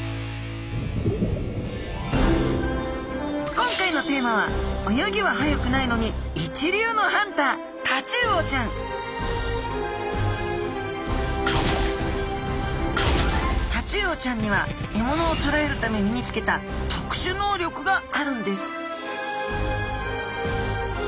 今回のテーマは泳ぎは速くないのにタチウオちゃんには獲物をとらえるため身につけた特殊能力があるんです！